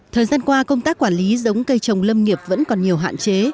thời gian qua công tác quản lý giống cây trồng lâm nghiệp vẫn còn nhiều hạn chế